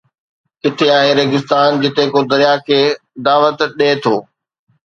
ڪٿي آهي ريگستان جتي ڪو درياهه کي دعوت ڏئي ٿو